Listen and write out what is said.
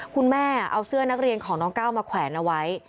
คุณแม่เอาเสื้อนักเรียนของน้องก้าวมาแขวนเอาไว้